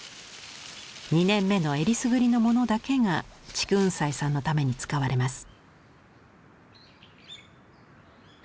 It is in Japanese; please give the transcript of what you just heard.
２年目のえりすぐりのものだけが竹雲斎さんのために使われます。